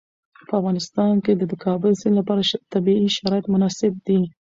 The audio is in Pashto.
په افغانستان کې د د کابل سیند لپاره طبیعي شرایط مناسب دي.